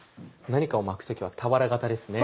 何かを巻く時は俵形ですね。